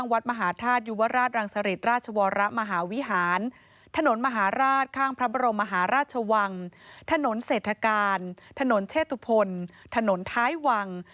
นี่คือระยะแรกระยะที่๑สิบแปดเส้นผ่าง